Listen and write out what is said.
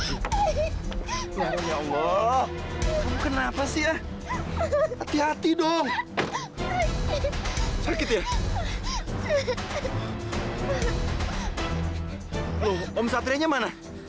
ya allah pernikahan ini dibatalin